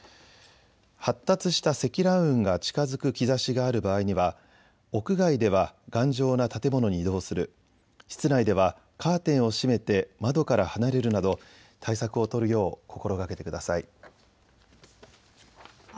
発達した積乱雲が近づく兆しがある場合には屋外では頑丈な建物に移動する、室内ではカーテンを閉めて窓から離れるなど対策を取るよう心がけてください。